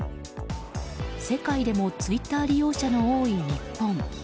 世界でもツイッター利用者の多い日本。